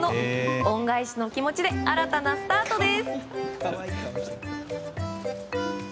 恩返しの気持ちで新たなスタートです。